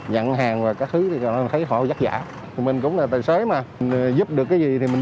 bán hàng và các thứ thì thấy họ giắc giả mình cũng là tài xế mà giúp được cái gì thì mình